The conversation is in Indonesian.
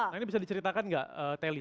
nah ini bisa diceritakan enggak telly